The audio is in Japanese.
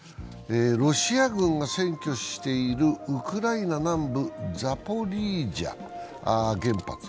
ロシア軍が占拠しているウクライナ南部ザポリージャ原発。